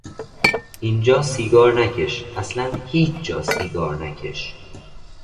اینجا سیگار نکش، اصلا هیچ جا سیگار نکش!